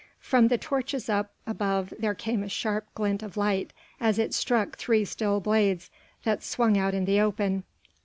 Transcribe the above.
From the torches up above there came a sharp glint of light as it struck three steel blades, that swung out into the open.